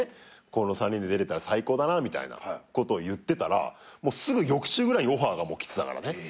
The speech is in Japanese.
この３人で出れたら最高だなみたいなことを言ってたらすぐ翌週ぐらいにオファーが来てた。